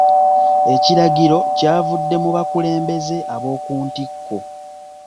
Ekiragiro kyavudde mu bakulembeze ab'oku ntikko.